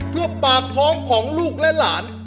เพื่อปากท้องของลูกและหลาน